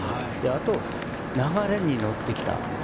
あと、流れに乗ってきた。